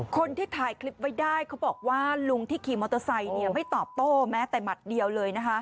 คนที่ถ่ายคลิปไว้ได้เขาบอกว่าลุงที่ขี่มอเตอร์ไซค์ไม่ตอบโต้แม้แต่หมัดเดียวเลยนะคะ